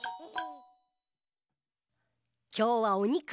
きょうはおにく？